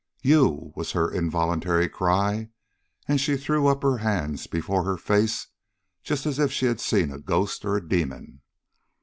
'You!' was her involuntary cry, and she threw up her hands before her face just as if she had seen a ghost or a demon.